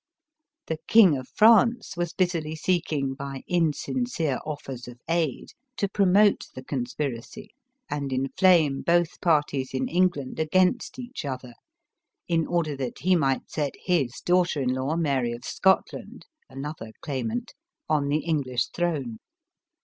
The King of France was busily seeking, by insincere offers of aid, to promote the con spiracy, and inflame both parties in England against each other, in order that he might set his daughter in law, Mary of Scotland — another claimant — on the Eng lish throne.